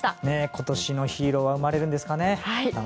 今年のヒーローは生まれるんですかね。